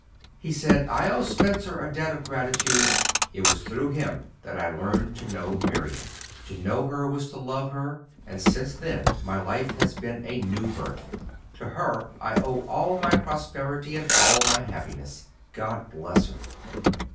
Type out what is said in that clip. He said: "I owe Spencer a debt of gratitude. It was through him that I learned to know Marian, to know her was to love her, and since then, my life has been a new birth. To her I owe all my prosperity and all my happiness. God bless her!"